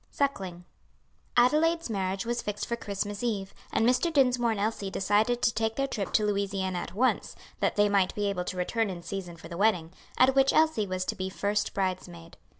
SUCKLING. Adelaide's marriage was fixed for Christmas eve, and Mr. Dinsmore and Elsie decided to take their trip to Louisiana at once, that they might be able to return in season for the wedding, at which Elsie was to be first bridesmaid.